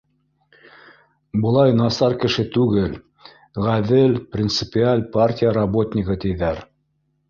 Былай насар кеше түгел, ғәҙел, принципиаль партия работнигы, тиҙәр